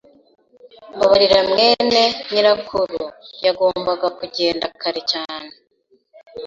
Mbabarira mwene nyirakuru yagombaga kugenda kare cyane.